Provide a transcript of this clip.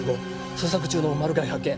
捜索中のマルガイ発見。